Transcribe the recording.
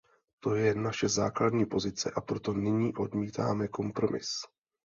To je naše základní pozice, a proto nyní odmítáme kompromis.